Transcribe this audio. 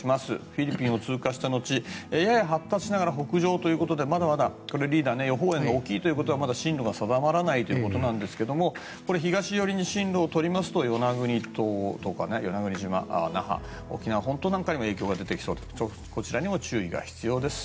フィリピンを通過した後やや発達しながら北上ということで、まだまだ予報円が大きいということは進路が定まらないということなんですがこれ、東寄りに進路を取りますと与那国島、那覇沖縄本島なんかにも影響が出てきそうでこちらにも注意が必要です。